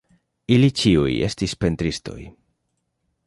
Ili ĉiuj estis pentristoj.